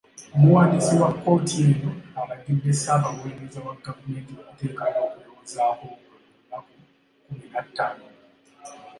Omuwandiisi wa kkooti eno alagidde Ssaabawolereza wa gavumenti okuteekayo okwewozaako kwe mu nnaku kkumi na ttaano.